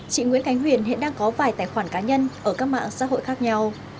chị nguyễn khánh huyền hiện đang có vài tài khoản cá nhân ở các mạng xã hội khác nhau